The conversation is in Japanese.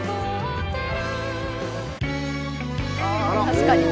確かに。